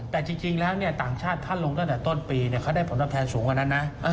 แต่จริงแล้วต่างชาติถ้าลงตั้งแต่ต้นปีเขาได้ผลตอบแทนสูงกว่านั้นนะ